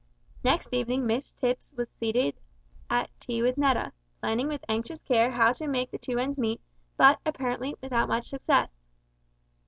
Next evening Mrs Tipps was seated at tea with Netta, planning with anxious care how to make the two ends meet, but, apparently, without much success.